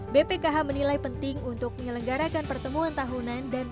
bpkh menilai penting untuk menyelenggarakan pertemuan tahunan dan